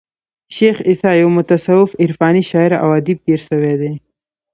شېخ عیسي یو متصوف عرفاني شاعر او ادیب تیر سوى دئ.